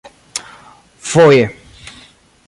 "Foje."